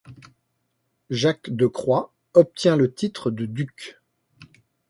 Jacques de Croÿ obtient le titre de duc.